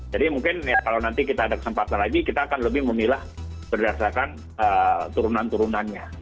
jadi mungkin kalau nanti kita ada kesempatan lagi kita akan lebih memilah berdasarkan turunan turunannya